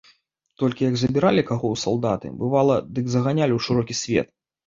Толькі як забіралі каго ў салдаты, бывала, дык заганялі ў шырокі свет.